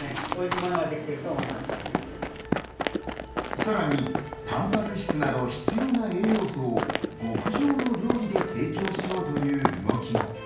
さらにたんぱく質など必要な栄養素を極上の料理で提供しようという動きも。